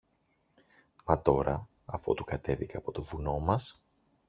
Μα τώρα, αφότου κατέβηκα από το βουνό μας